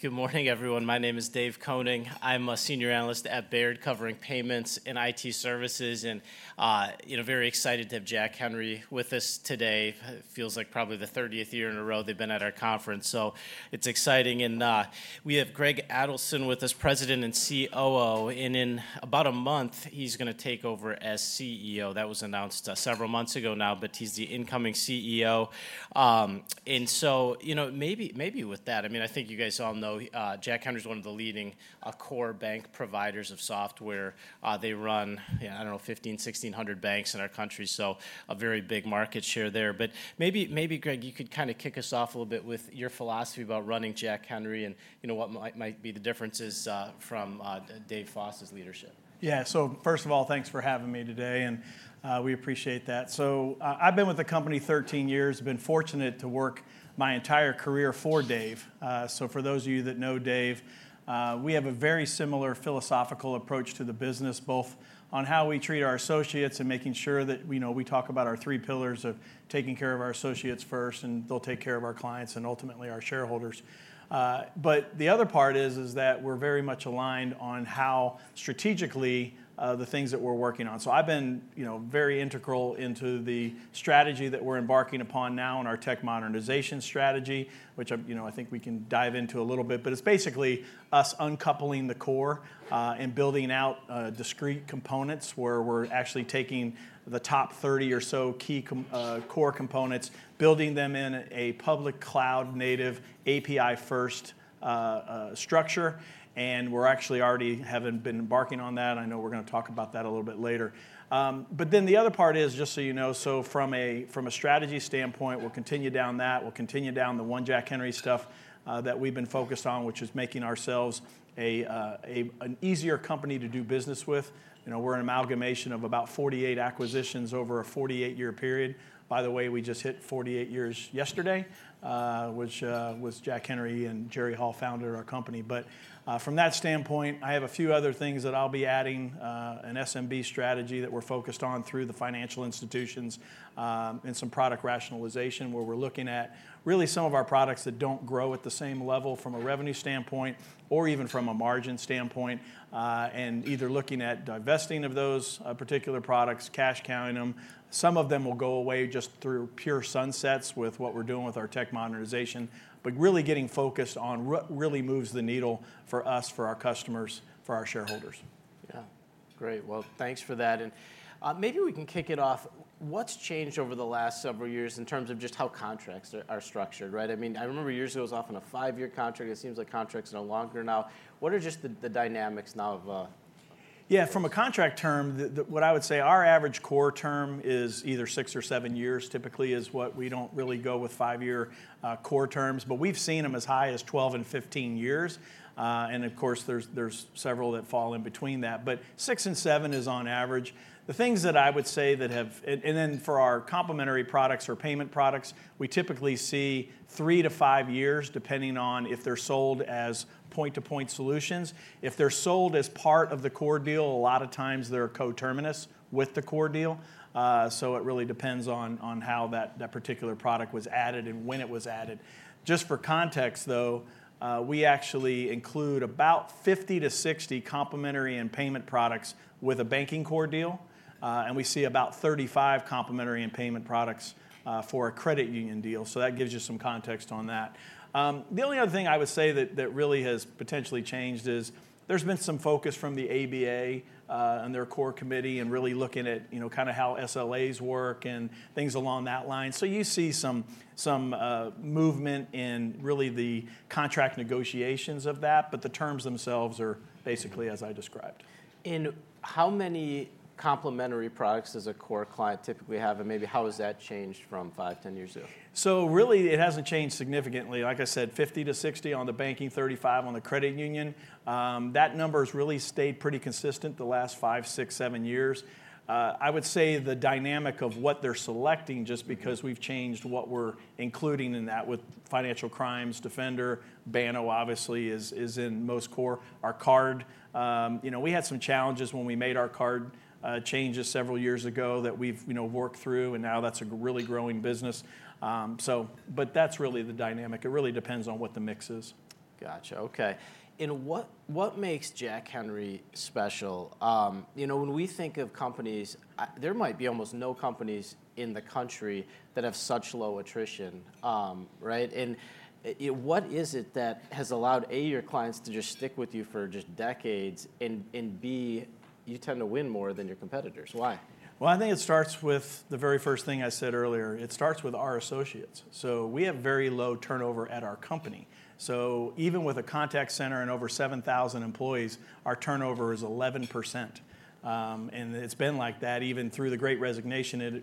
Good morning, everyone. My name is Dave Koning. I'm a Senior Analyst at Baird, covering payments and IT services, and, you know, very excited to have Jack Henry with us today. It feels like probably the 30th year in a row they've been at our conference, so it's exciting. And, we have Greg Adelson with us, President and COO, and in about a month, he's gonna take over as CEO. That was announced several months ago now, but he's the incoming CEO. And so, you know, maybe, maybe with that, I mean, I think you guys all know, Jack Henry is one of the leading, core bank providers of software. They run, I don't know, 1,500, 1,600 banks in our country, so a very big market share there. Maybe, Greg, you could kind of kick us off a little bit with your philosophy about running Jack Henry, and, you know, what might be the differences from Dave Foss's leadership? Yeah. So first of all, thanks for having me today, and, we appreciate that. So, I've been with the company 13 years, been fortunate to work my entire career for Dave. So for those of you that know Dave, we have a very similar philosophical approach to the business, both on how we treat our associates and making sure that, you know, we talk about our three pillars of taking care of our associates first, and they'll take care of our clients and ultimately our shareholders. But the other part is that we're very much aligned on how strategically, the things that we're working on. So I've been, you know, very integral into the strategy that we're embarking upon now in our tech modernization strategy, which, you know, I think we can dive into a little bit. But it's basically us uncoupling the core, and building out, discrete components, where we're actually taking the top 30 or so key core components, building them in a public cloud, native API-first, structure. And we're actually already have been embarking on that. I know we're going to talk about that a little bit later. But then the other part is, just so you know, so from a strategy standpoint, we'll continue down that. We'll continue down the one Jack Henry stuff, that we've been focused on, which is making ourselves a an easier company to do business with. You know, we're an amalgamation of about 48 acquisitions over a 48-year period. By the way, we just hit 48 years yesterday, which was Jack Henry and Jerry Hall, founder of our company. From that standpoint, I have a few other things that I'll be adding, an SMB strategy that we're focused on through the financial institutions, and some product rationalization, where we're looking at really some of our products that don't grow at the same level from a revenue standpoint or even from a margin standpoint, and either looking at divesting of those particular products, cashing them out. Some of them will go away just through pure sunsets with what we're doing with our tech modernization, but really getting focused on what really moves the needle for us, for our customers, for our shareholders. Yeah. Great. Well, thanks for that. And, maybe we can kick it off. What's changed over the last several years in terms of just how contracts are, are structured, right? I mean, I remember years ago, it was often a five-year contract. It seems like contracts are longer now. What are just the, the dynamics now of, Yeah, from a contract term, what I would say our average core term is either 6 or 7 years. Typically is what we don't really go with 5-year core terms, but we've seen them as high as 12 and 15 years. And of course, there are several that fall in between that. But 6 and 7 is on average. The things that I would say, and then for our complementary products or payment products, we typically see 3-5 years, depending on if they're sold as point-to-point solutions. If they're sold as part of the core deal, a lot of times they're co-terminus with the core deal. So it really depends on how that particular product was added and when it was added. Just for context, though, we actually include about 50-60 complementary and payment products with a banking core deal, and we see about 35 complementary and payment products for a credit union deal. So that gives you some context on that. The only other thing I would say that really has potentially changed is there's been some focus from the ABA, and their core committee and really looking at, you know, kind of how SLAs work and things along that line. So you see some movement in really the contract negotiations of that, but the terms themselves are basically as I described. How many complementary products does a core client typically have? And maybe how has that changed from five, 10 years ago? So really, it hasn't changed significantly. Like I said, 50-60 on the banking, 35 on the credit union. That number has really stayed pretty consistent the last five, six, seven years. I would say the dynamic of what they're selecting, just because we've changed what we're including in that with Financial Crimes Defender, Banno, obviously is, is in most core. Our card, you know, we had some challenges when we made our card, changes several years ago that we've, you know, worked through, and now that's a really growing business. So but that's really the dynamic. It really depends on what the mix is. Gotcha. Okay. And what makes Jack Henry special? You know, when we think of companies, there might be almost no companies in the country that have such low attrition, right? And what is it that has allowed, A, your clients to just stick with you for just decades, and B, you tend to win more than your competitors. Why? Well, I think it starts with the very first thing I said earlier. It starts with our associates. So we have very low turnover at our company. So even with a contact center and over 7,000 employees, our turnover is 11%. And it's been like that even through the great resignation, it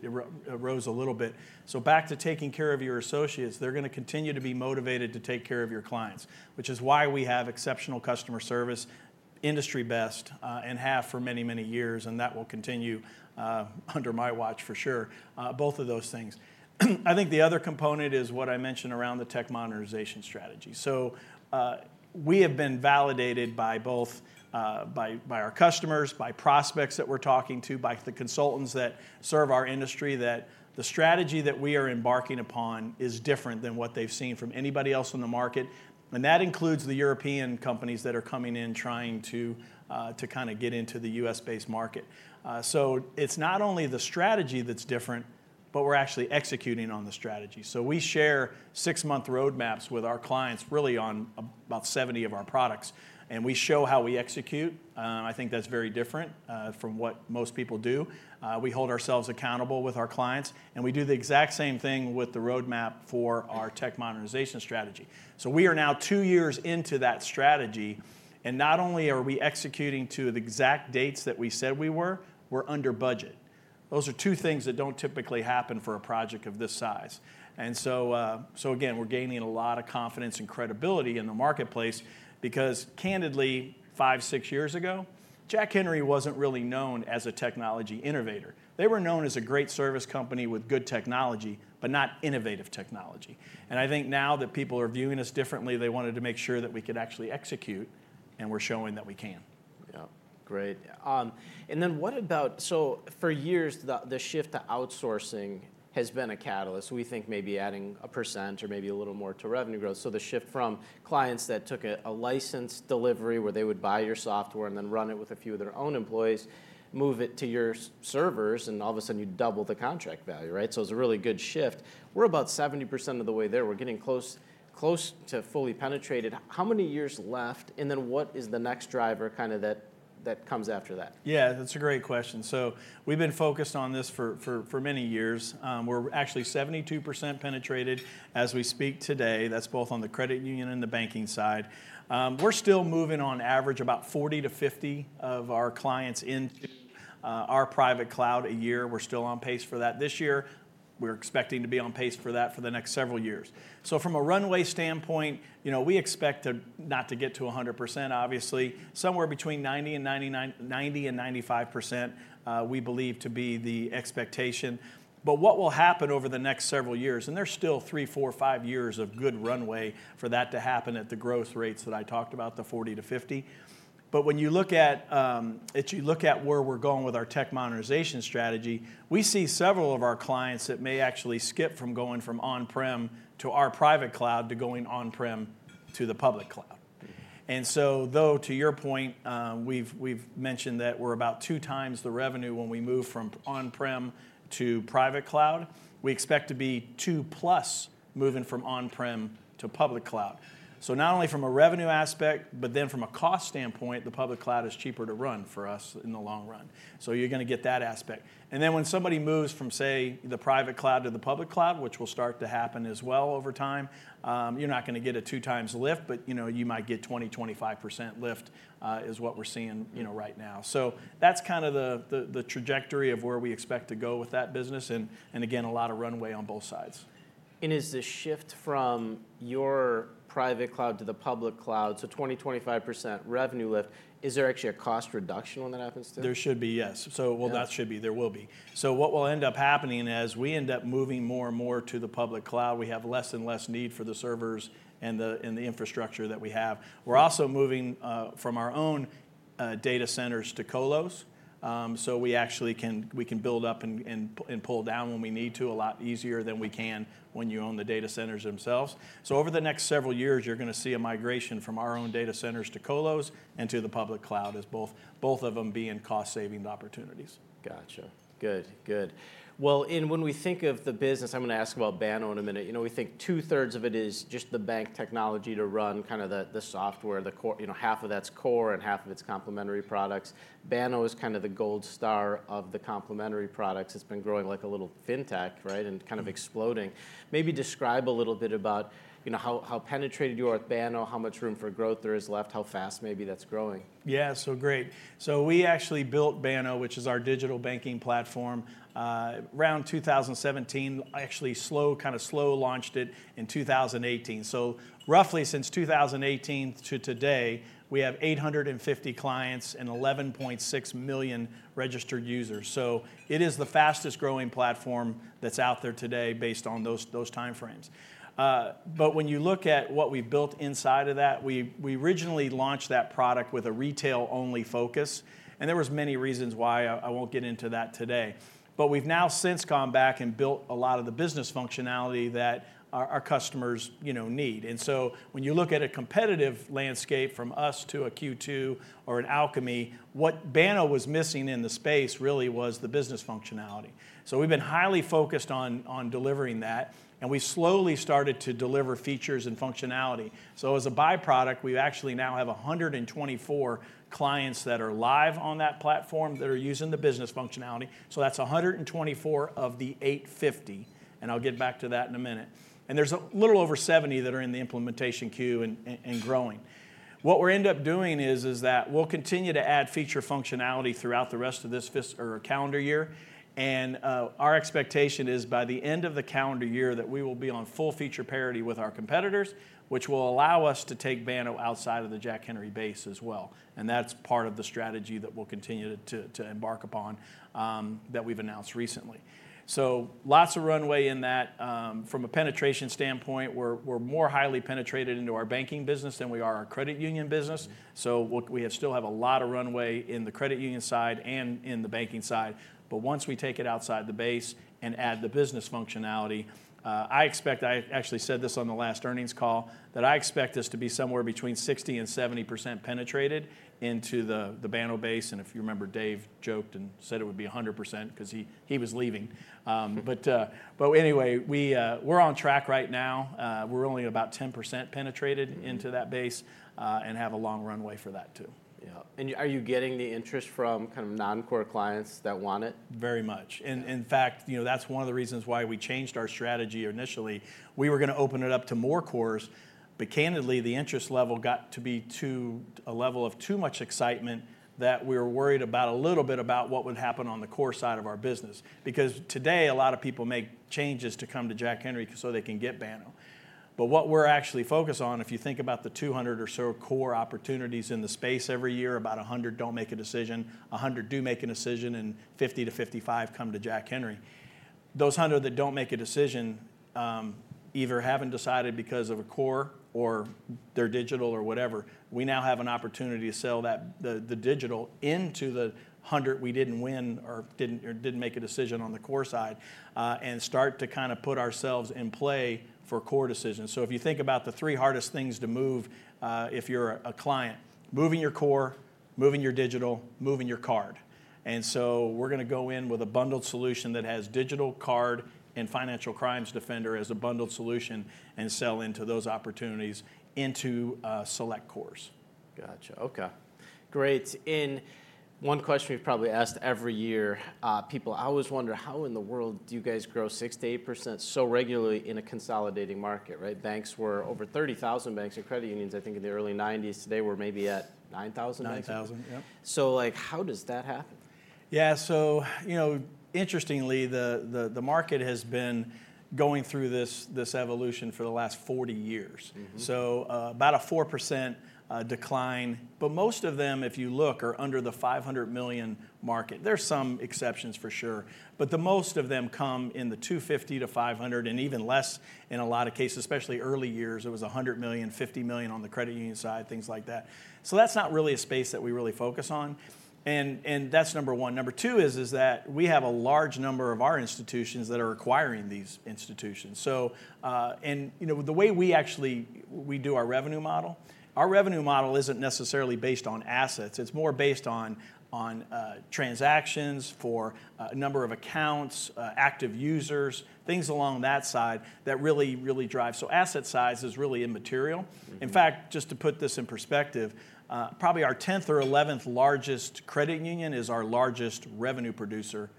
rose a little bit. So back to taking care of your associates, they're going to continue to be motivated to take care of your clients, which is why we have exceptional customer service, industry best, and have for many, many years, and that will continue under my watch for sure. Both of those things. I think the other component is what I mentioned around the Tech modernization strategy. So, we have been validated by both, by our customers, by prospects that we're talking to, by the consultants that serve our industry, that the strategy that we are embarking upon is different than what they've seen from anybody else in the market. And that includes the European companies that are coming in trying to, to kind of get into the U.S. based market. So it's not only the strategy that's different, but we're actually executing on the strategy. So we share six-month roadmaps with our clients, really on about 70 of our products, and we show how we execute. I think that's very different from what most people do. We hold ourselves accountable with our clients, and we do the exact same thing with the roadmap for our tech modernization strategy. So we are now two years into that strategy, and not only are we executing to the exact dates that we said we were, we're under budget. Those are two things that don't typically happen for a project of this size. And so, so again, we're gaining a lot of confidence and credibility in the marketplace because candidly, five, six years ago, Jack Henry wasn't really known as a technology innovator. They were known as a great service company with good technology, but not innovative technology. And I think now that people are viewing us differently, they wanted to make sure that we could actually execute, and we're showing that we can. Yeah, great. And then what about... So for years, the shift to outsourcing has been a catalyst, we think maybe adding 1% or maybe a little more to revenue growth. So the shift from clients that took a licensed delivery, where they would buy your software and then run it with a few of their own employees, move it to your servers, and all of a sudden, you double the contract value, right? So it's a really good shift. We're about 70% of the way there. We're getting close to fully penetrated. How many years left, and then what is the next driver, kinda that comes after that? Yeah, that's a great question. So we've been focused on this for many years. We're actually 72% penetrated as we speak today. That's both on the credit union and the banking side. We're still moving on average, about 40-50 of our clients into our private cloud a year. We're still on pace for that this year. We're expecting to be on pace for that for the next several years. So from a runway standpoint, you know, we expect not to get to 100%, obviously. Somewhere between 90%-95%, we believe to be the expectation. But what will happen over the next several years, and there's still three, four, five years of good runway for that to happen at the growth rates that I talked about, the 40-50. But when you look at, if you look at where we're going with our tech modernization strategy, we see several of our clients that may actually skip from going from on-prem to our private cloud, to going on-prem to the public cloud. And so, though, to your point, we've mentioned that we're about two times the revenue when we move from on-prem to private cloud, we expect to be two plus, moving from on-prem to public cloud. So not only from a revenue aspect, but then from a cost standpoint, the public cloud is cheaper to run for us in the long run. So you're gonna get that aspect. And then when somebody moves from, say, the private cloud to the public cloud, which will start to happen as well over time, you're not gonna get a 2x lift, but, you know, you might get 20%-25% lift, is what we're seeing, you know, right now. So that's kind of the trajectory of where we expect to go with that business and again, a lot of runway on both sides. Is the shift from your private cloud to the public cloud, so 20%-25% revenue lift, is there actually a cost reduction when that happens, too? There should be, yes. Yeah. So, well, not should be, there will be. So what will end up happening as we end up moving more and more to the public cloud, we have less and less need for the servers and the, and the infrastructure that we have. We're also moving from our own data centers to colos. So we actually can build up and pull down when we need to, a lot easier than we can when you own the data centers themselves. So over the next several years, you're gonna see a migration from our own data centers to Colos, and to the public cloud, as both of them being cost-saving opportunities. Gotcha. Good, good. Well, and when we think of the business, I'm gonna ask about Banno in a minute. You know, we think two-thirds of it is just the bank technology to run, kind of the software, the core—you know, half of that's core and half of it's complementary products. Banno is kind of the gold star of the complementary products. It's been growing like a little fintech, right? And kind of exploding. Maybe describe a little bit about, you know, how penetrated you are with Banno, how much room for growth there is left, how fast maybe that's growing. Yeah, so great. So we actually built Banno, which is our digital banking platform, around 2017. Actually, slow, kind of slow-launched it in 2018. So roughly since 2018 to today, we have 850 clients and 11.6 million registered users. So it is the fastest growing platform that's out there today based on those time frames. But when you look at what we've built inside of that, we originally launched that product with a retail-only focus, and there was many reasons why. I won't get into that today. But we've now since gone back and built a lot of the business functionality that our customers, you know, need. And so when you look at a competitive landscape from us to a Q2 or an Alkami, what Banno was missing in the space really was the business functionality. So we've been highly focused on delivering that, and we slowly started to deliver features and functionality. So as a by-product, we've actually now have 124 clients that are live on that platform, that are using the business functionality. So that's 124 of the 850, and I'll get back to that in a minute. And there's a little over 70 that are in the implementation queue and growing. What we're end up doing is that we'll continue to add feature functionality throughout the rest of this fiscal or calendar year. And our expectation is, by the end of the calendar year, that we will be on full feature parity with our competitors, which will allow us to take Banno outside of the Jack Henry base as well. That's part of the strategy that we'll continue to embark upon that we've announced recently. Lots of runway in that. From a penetration standpoint, we're more highly penetrated into our banking business than we are our credit union business. We still have a lot of runway in the credit union side and in the banking side, but once we take it outside the base and add the business functionality, I expect... I actually said this on the last earnings call, that I expect this to be somewhere between 60%-70% penetrated into the Banno base, and if you remember, Dave joked and said it would be a 100% 'cause he was leaving. But anyway, we're on track right now. We're only about 10% penetrated-into that base, and have a long runway for that, too. Yeah. And are you getting the interest from kind of non-core clients that want it? Very much. In fact, you know, that's one of the reasons why we changed our strategy initially. We were gonna open it up to more cores, but candidly, the interest level got to be too, a level of too much excitement, that we were worried about a little bit about what would happen on the core side of our business. Because today, a lot of people make changes to come to Jack Henry so they can get Banno. But what we're actually focused on, if you think about the 200 or so core opportunities in the space every year, about 100 don't make a decision, 100 do make a decision, and 50-55 come to Jack Henry. Those 100 that don't make a decision, either haven't decided because of a core or they're digital or whatever, we now have an opportunity to sell that, the digital into the 100 we didn't win or didn't make a decision on the core side, and start to kind of put ourselves in play for core decisions. So if you think about the three hardest things to move, if you're a client: moving your core, moving your digital, moving your card. And so we're gonna go in with a bundled solution that has digital card and Financial Crimes Defender as a bundled solution, and sell into those opportunities into select cores. Gotcha. Okay, great. In one question we've probably asked every year, people, I always wonder, how in the world do you guys grow 6%-8% so regularly in a consolidating market, right? Banks were over 30,000 banks and credit unions, I think in the early 1990s. Today, we're maybe at 9,000? 9,000. Yep. Like, how does that happen? Yeah, so you know, interestingly, the market has been going through this evolution for the last 40 years. Mm-hmm. So, about a 4% decline, but most of them, if you look, are under the $500 million market. There are some exceptions for sure, but most of them come in the $250-$500, and even less in a lot of cases. Especially early years, it was a $100 million, $50 million on the credit union side, things like that. So that's not really a space that we really focus on, and that's number one. Number two is that we have a large number of our institutions that are acquiring these institutions. So, and you know, the way we actually do our revenue model, our revenue model isn't necessarily based on assets, it's more based on transactions for number of accounts, active users, things along that side that really drive. Asset size is really immaterial. Mm-hmm. In fact, just to put this in perspective, probably our tenth or eleventh largest credit union is our largest revenue producer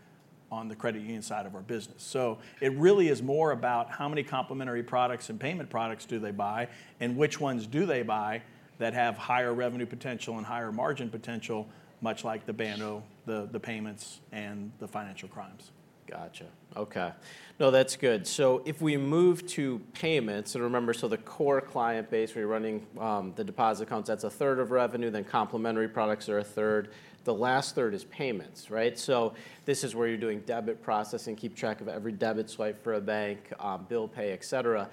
on the credit union side of our business. So it really is more about how many complementary products and payment products do they buy, and which ones do they buy that have higher revenue potential and higher margin potential, much like the Banno, the payments, and the Financial Crimes. Gotcha. Okay. No, that's good. So if we move to payments, and remember, so the core client base, we're running, the deposit accounts, that's a third of revenue, then complementary products are a third. The last third is payments, right? So this is where you're doing debit processing, keep track of every debit swipe for a bank, bill pay, et cetera.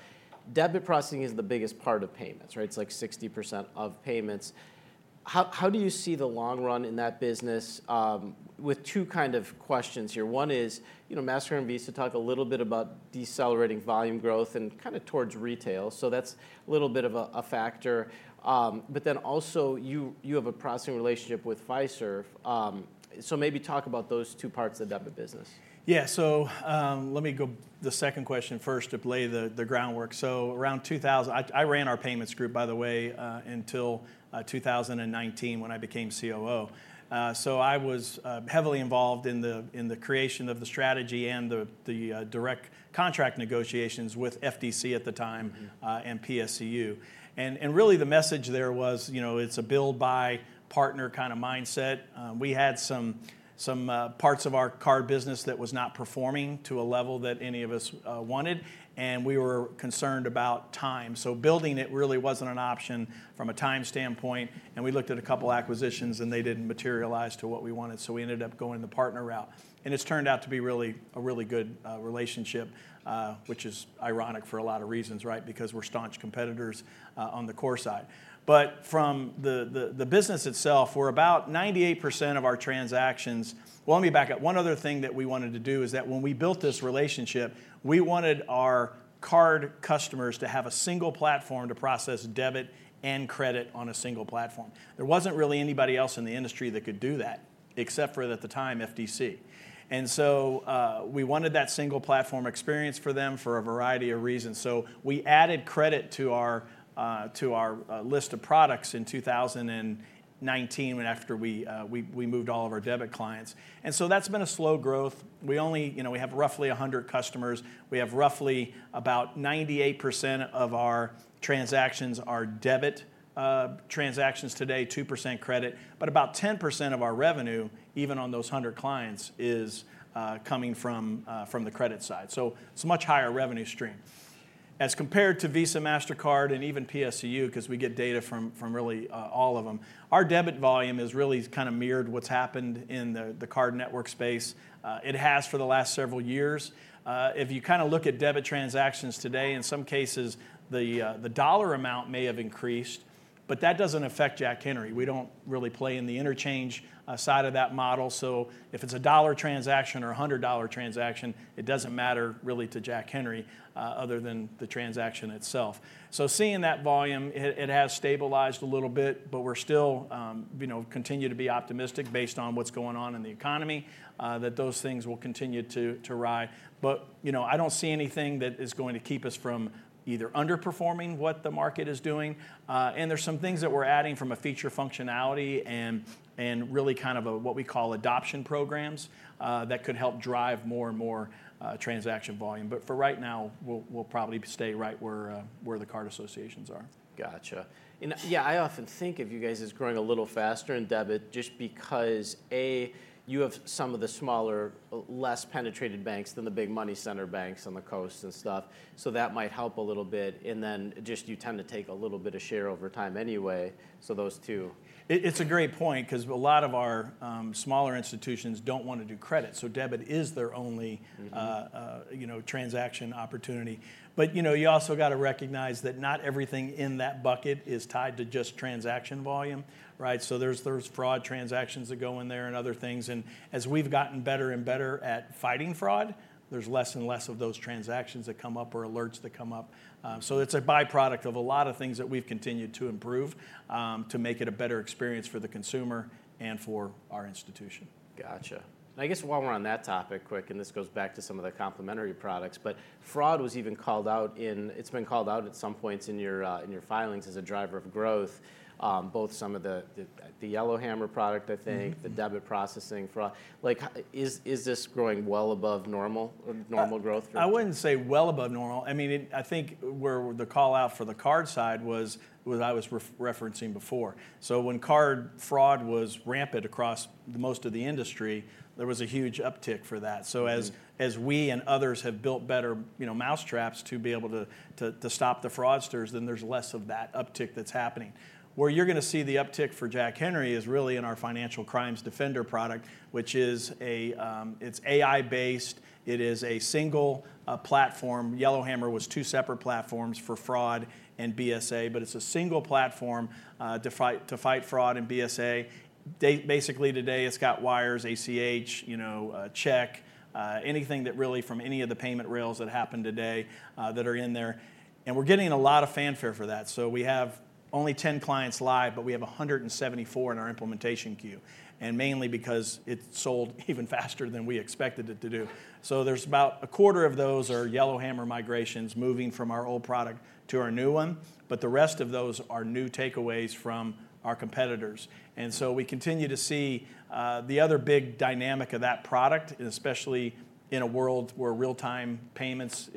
Debit processing is the biggest part of payments, right? It's like 60% of payments. How do you see the long run in that business? With two kind of questions here. One is, you know, Mastercard and Visa talk a little bit about decelerating volume growth and kind of towards retail, so that's a little bit of a factor. But then also, you have a processing relationship with Fiserv. So maybe talk about those two parts of the debit business. Yeah. So, let me go to the second question first to lay the groundwork. So around 2000... I ran our payments group, by the way, until 2019 when I became COO. So I was heavily involved in the creation of the strategy and the direct contract negotiations with FDC at the time- Mm.... and PSCU. And really the message there was, you know, it's a build by partner kind of mindset. We had some parts of our card business that was not performing to a level that any of us wanted, and we were concerned about time. So building it really wasn't an option from a time standpoint, and we looked at a couple acquisitions, and they didn't materialize to what we wanted, so we ended up going the partner route. And it's turned out to be really, a really good relationship, which is ironic for a lot of reasons, right? Because we're staunch competitors on the core side. But from the business itself, we're about 98% of our transactions— Well, let me back up. One other thing that we wanted to do is that when we built this relationship, we wanted our card customers to have a single platform to process debit and credit on a single platform. There wasn't really anybody else in the industry that could do that, except for, at the time, FDC. And so, we wanted that single platform experience for them for a variety of reasons. So we added credit to our, to our, list of products in 2019, when after we, we, we moved all of our debit clients. And so that's been a slow growth. We only, you know, we have roughly 100 customers. We have roughly about 98% of our transactions are debit transactions today, 2% credit, but about 10% of our revenue, even on those 100 clients, is coming from the credit side. So it's a much higher revenue stream. As compared to Visa, Mastercard, and even PSCU, because we get data from really all of them, our debit volume is really kind of mirrored what's happened in the card network space. It has for the last several years. If you kind of look at debit transactions today, in some cases, the dollar amount may have increased, but that doesn't affect Jack Henry. We don't really play in the interchange side of that model. So if it's a $1 transaction or a $100 transaction, it doesn't matter really to Jack Henry, other than the transaction itself. So seeing that volume, it has stabilized a little bit, but we're still you know continue to be optimistic based on what's going on in the economy that those things will continue to rise. But you know I don't see anything that is going to keep us from either underperforming what the market is doing. And there's some things that we're adding from a feature functionality and really kind of a what we call adoption programs that could help drive more and more transaction volume. But for right now, we'll probably stay right where the card associations are. Gotcha. And yeah, I often think of you guys as growing a little faster in debit, just because, A, you have some of the smaller, less penetrated banks than the big money center banks on the coast and stuff, so that might help a little bit, and then just you tend to take a little bit of share over time anyway, so those two. It's a great point because a lot of our smaller institutions don't want to do credit, so debit is their only- Mm-hmm you know, transaction opportunity. But, you know, you also got to recognize that not everything in that bucket is tied to just transaction volume, right? So there's fraud transactions that go in there and other things, and as we've gotten better and better at fighting fraud, there's less and less of those transactions that come up or alerts that go up. So it's a by-product of a lot of things that we've continued to improve, to make it a better experience for the consumer and for our institution. Gotcha. I guess while we're on that topic quick, and this goes back to some of the complementary products, but fraud was even called out in—it's been called out at some points in your filings as a driver of growth, both some of the Yellow Hammer product, I think- Mm-hmm... the debit processing fraud. Like, how is this growing well above normal, normal growth? I wouldn't say well above normal. I mean, I think where the call out for the card side was, was I was referencing before. So when card fraud was rampant across most of the industry, there was a huge uptick for that. Mm-hmm. So as we and others have built better, you know, mousetraps to be able to stop the fraudsters, then there's less of that uptick that's happening. Where you're gonna see the uptick for Jack Henry is really in our Financial Crimes Defender product, which is a... It's AI-based, it is a single platform. Yellowhammer was two separate platforms for fraud and BSA, but it's a single platform to fight, to fight fraud and BSA. Basically today, it's got wires, ACH, you know, check, anything, really, from any of the payment rails that happen today that are in there, and we're getting a lot of fanfare for that. So we have only 10 clients live, but we have 174 in our implementation queue, and mainly because it sold even faster than we expected it to do. So there's about a quarter of those are Yellow Hammer migrations moving from our old product to our new one, but the rest of those are new takeaways from our competitors. And so we continue to see. The other big dynamic of that product, especially in a world where real-time payments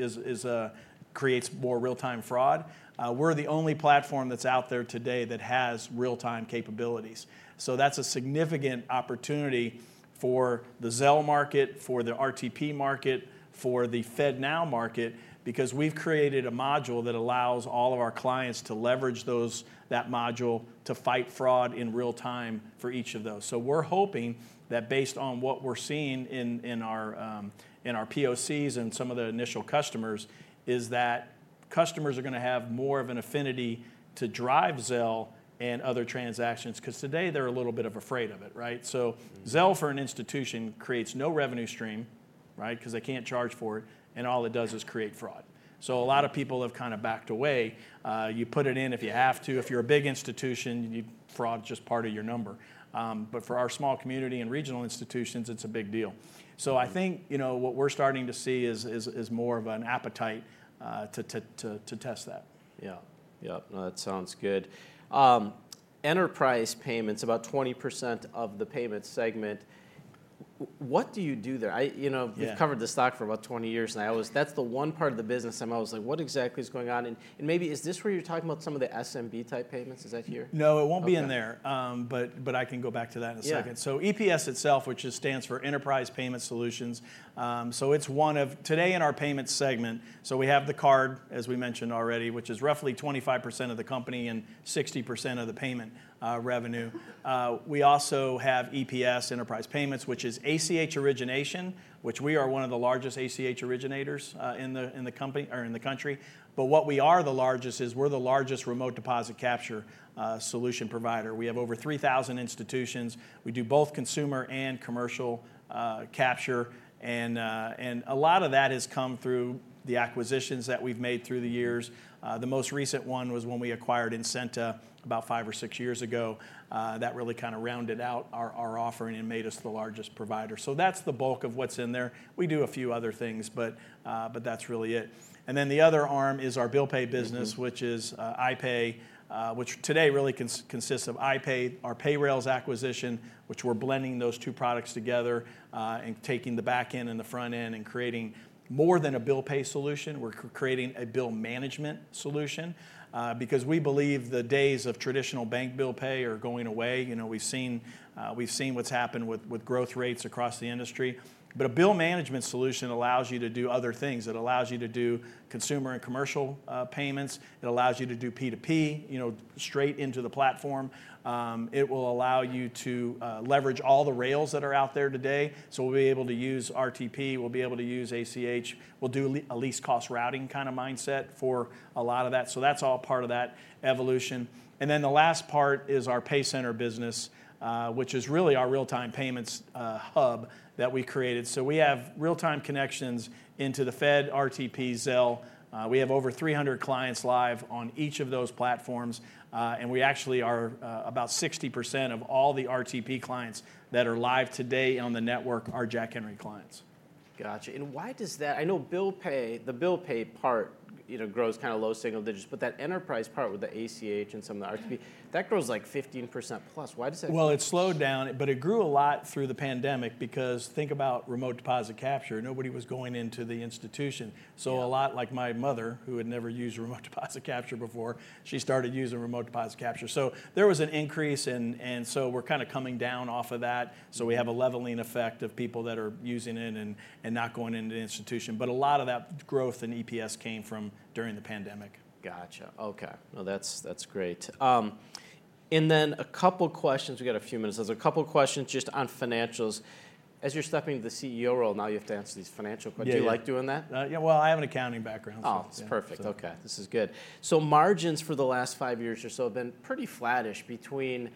creates more real-time fraud, we're the only platform that's out there today that has real-time capabilities. So that's a significant opportunity for the Zelle market, for the RTP market, for the FedNow market, because we've created a module that allows all of our clients to leverage those, that module, to fight fraud in real time for each of those. So we're hoping that based on what we're seeing in our POCs and some of the initial customers, is that customers are gonna have more of an affinity to drive Zelle and other transactions, 'cause today they're a little bit afraid of it, right? Mm-hmm. Zelle, for an institution, creates no revenue stream, right? Because they can't charge for it, and all it does is create fraud. Mm. So a lot of people have kind of backed away. You put it in if you have to. If you're a big institution, you... fraud's just part of your number. But for our small community and regional institutions, it's a big deal. Mm-hmm. So I think, you know, what we're starting to see is more of an appetite to test that. Yeah. Yep, no, that sounds good. Enterprise Payments, about 20% of the payment segment, what do you do there? I, you know- Yeah... we've covered the stock for about 20 years, and I always... That's the one part of the business I'm always like, "What exactly is going on?" And, and maybe is this where you're talking about some of the SMB-type payments, is that here? No, it won't be in there. Okay. But I can go back to that in a second. Yeah. So EPS itself, which just stands for Enterprise Payment Solutions, so it's one of... Today in our payments segment, so we have the card, as we mentioned already, which is roughly 25% of the company and 60% of the payment revenue. We also have EPS, Enterprise Payments, which is ACH origination, which we are one of the largest ACH originators in the company, or in the country. But what we are the largest is we're the largest remote deposit capture solution provider. We have over 3,000 institutions. We do both consumer and commercial capture, and a lot of that has come through the acquisitions that we've made through the years. Mm. The most recent one was when we acquired Ensenta about 5 or 6 years ago. That really kind of rounded out our offering and made us the largest provider. So that's the bulk of what's in there. We do a few other things, but that's really it. And then the other arm is our bill pay business- Mm-hmm... which is iPay, which today really consists of iPay, our Payrailz acquisition, which we're blending those two products together, and taking the back end and the front end, and creating more than a bill pay solution. We're creating a bill management solution, because we believe the days of traditional bank bill pay are going away. You know, we've seen, we've seen what's happened with growth rates across the industry. But a bill management solution allows you to do other things. It allows you to do consumer and commercial payments. It allows you to do P2P, you know, straight into the platform. It will allow you to leverage all the rails that are out there today. So we'll be able to use RTP, we'll be able to use ACH. We'll do a least cost routing kind of mindset for a lot of that. So that's all part of that evolution. And then the last part is our PayCenter business, which is really our real-time payments hub that we created. So we have real-time connections into the Fed, RTP, Zelle. We have over 300 clients live on each of those platforms. And we actually are about 60% of all the RTP clients that are live today on the network are Jack Henry clients. Gotcha. And why does that... I know bill pay, the bill pay part, you know, grows kind of low single digits, but that enterprise part with the ACH and some of the RTP- Mm... that grows, like, 15%+. Why does that- Well, it slowed down, but it grew a lot through the pandemic because think about Remote Deposit Capture. Nobody was going into the institution. Yeah. So a lot like my mother, who had never used remote deposit capture before, she started using remote deposit capture. So there was an increase, and so we're kind of coming down off of that. So we have a leveling effect of people that are using it and not going into the institution. But a lot of that growth in EPS came from during the pandemic. Gotcha, okay. No, that's, that's great. And then a couple questions, we've got a few minutes. There's a couple of questions just on financials. As you're stepping into the CEO role, now you have to answer these financial questions. Yeah, yeah. Do you like doing that? Yeah, well, I have an accounting background, so yeah. Oh, perfect. Okay, this is good. So margins for the last five years or so have been pretty flattish between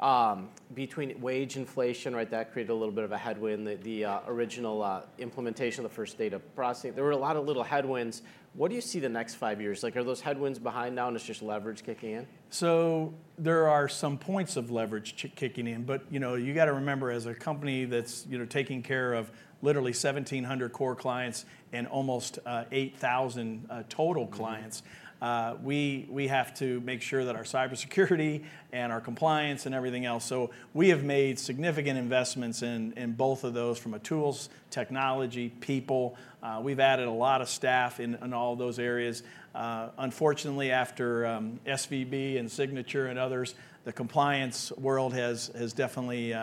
wage inflation, right, that created a little bit of a headwind. The original implementation of the First Data processing. There were a lot of little headwinds. What do you see the next five years? Like, are those headwinds behind now and it's just leverage kicking in? So there are some points of leverage kicking in. But, you know, you gotta remember, as a company that's, you know, taking care of literally 1,700 core clients and almost 8,000 total clients- Mm... we have to make sure that our cybersecurity and our compliance and everything else. So we have made significant investments in both of those from a tools, technology, people. We've added a lot of staff in all of those areas. Unfortunately, after SVB and Signature and others, the compliance world has definitely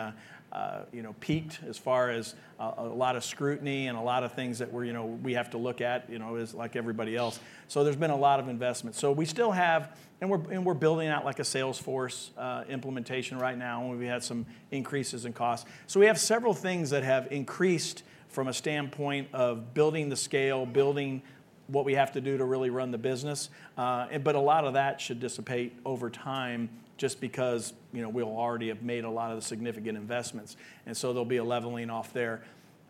you know, peaked as far as a lot of scrutiny and a lot of things that we're you know, we have to look at you know, as like everybody else. So there's been a lot of investment. So we still have... And we're building out, like, a sales force implementation right now, and we had some increases in costs. So we have several things that have increased from a standpoint of building the scale, building what we have to do to really run the business. But a lot of that should dissipate over time just because, you know, we already have made a lot of the significant investments, and so there'll be a leveling off there.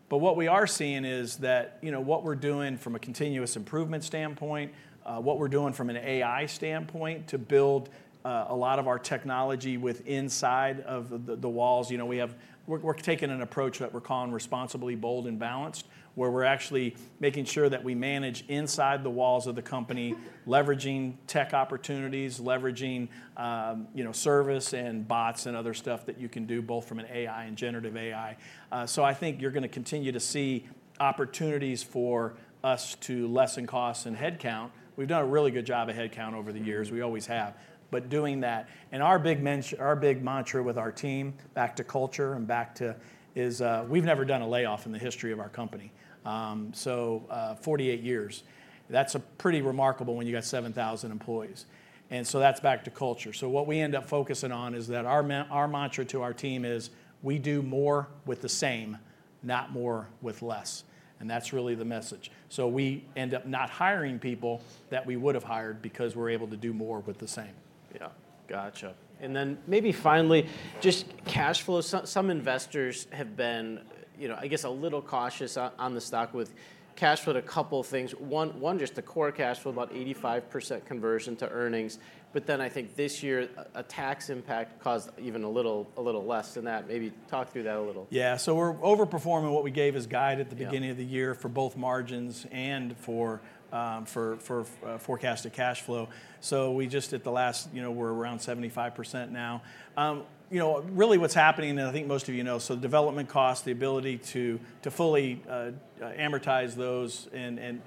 But what we are seeing is that, you know, what we're doing from a continuous improvement standpoint, what we're doing from an AI standpoint, to build a lot of our technology with inside of the walls, you know, we're taking an approach that we're calling responsibly bold and balanced, where we're actually making sure that we manage inside the walls of the company, leveraging tech opportunities, leveraging, you know, service and bots and other stuff that you can do, both from an AI and generative AI. So I think you're gonna continue to see opportunities for us to lessen costs and headcount. We've done a really good job of headcount over the years, we always have. But doing that, and our big mantra with our team, back to culture and back to, is, we've never done a layoff in the history of our company. So, 48 years, that's pretty remarkable when you've got 7,000 employees. And so that's back to culture. So what we end up focusing on is that our mantra to our team is, "We do more with the same, not more with less." And that's really the message. So we end up not hiring people that we would have hired because we're able to do more with the same. Yeah. Gotcha. And then maybe finally, just cash flow. Some investors have been, you know, I guess, a little cautious on the stock with cash flow to a couple of things. One, just the core cash flow, about 85% conversion to earnings, but then I think this year, a tax impact caused even a little less than that. Maybe talk through that a little. Yeah, so we're overperforming what we gave as guide at the- Yeah... beginning of the year for both margins and for forecasted cash flow. So we just did the last, you know, we're around 75% now. You know, really what's happening, and I think most of you know, so the development cost, the ability to fully amortize those, and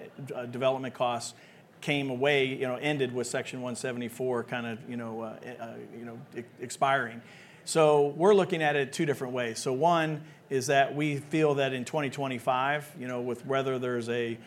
development costs came away, you know, ended with Section 174, kind of, you know, expiring. So we're looking at it two different ways. So one is that we feel that in 2025, you know, with whether there's a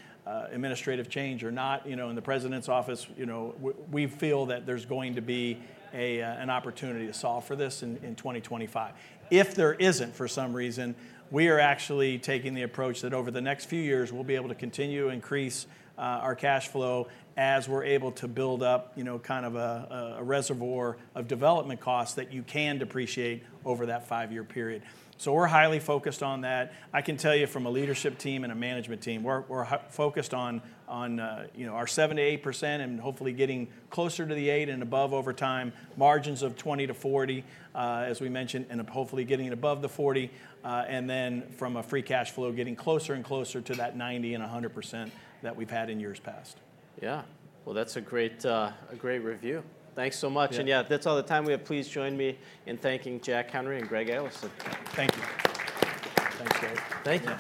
administrative change or not, you know, in the president's office, you know, we feel that there's going to be a an opportunity to solve for this in 2025. If there isn't, for some reason, we are actually taking the approach that over the next few years, we'll be able to continue to increase our cash flow as we're able to build up, you know, kind of a reservoir of development costs that you can depreciate over that five-year period. So we're highly focused on that. I can tell you from a leadership team and a management team, we're focused on our 7%-8% and hopefully getting closer to the 8%+ over time, margins of 20%-40%, as we mentioned, and hopefully getting above the 40%, and then from a free cash flow, getting closer and closer to that 90%-100% that we've had in years past. Yeah. Well, that's a great, a great review. Thanks so much. Yeah. And yeah, that's all the time we have. Please join me in thanking Jack Henry and Greg Adelson. Thank you. Thanks, Greg. Thank you.